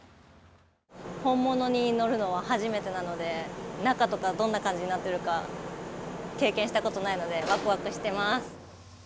本物に乗るのは初めてなので中とかどんな感じになってるか経験したことないのでわくわくしてます。